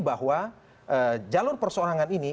bahwa calon persoarangan ini